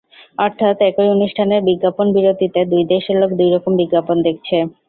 অর্থাৎ, একই অনুষ্ঠানের বিজ্ঞাপন বিরতিতে দুই দেশের লোক দুই রকম বিজ্ঞাপন দেখছে।